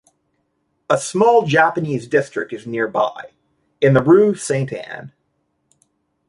A small Japanese district is nearby, in the rue Sainte-Anne.